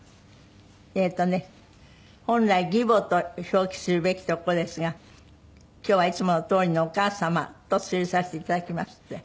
えっとね「本来“義母”と表記するべきところですが今日はいつものとおりの“お母様”と記させていただきます」って。